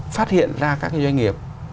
phát hiện ra các doanh nghiệp